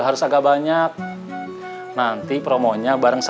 seraikan b unevenase